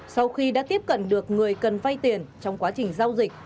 sau khi đã tiếp cận được người cần vay tiền trong quá trình giao dịch